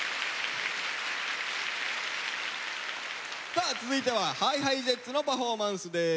さあ続いてはＨｉＨｉＪｅｔｓのパフォーマンスです。